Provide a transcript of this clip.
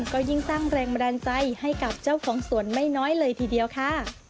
ก็ยิ่งสร้างแรงบันดาลใจให้กับเจ้าของสวนไม่น้อยเลยทีเดียวค่ะ